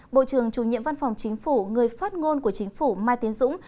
bộ trưởng chủ nhiệm văn phòng chính phủ người phát ngôn của chính phủ mai tiến dũng